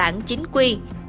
bài bản chính quy